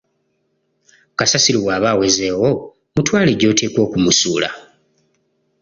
Kasasiro bwaba awezeewo, mutwale gy‘oteekwa okumusuula.